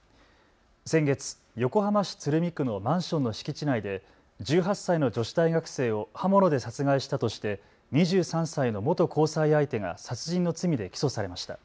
先月、横浜市鶴見区のマンションの敷地内で１８歳の女子大学生を刃物で殺害したとして２３歳の元交際相手が殺人の罪で起訴されました。